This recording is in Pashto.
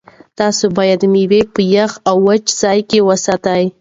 تاسو باید مېوې په یخ او وچ ځای کې وساتئ.